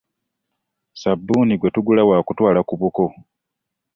Ssabuuni gwe tugula wa kutwala ku buko.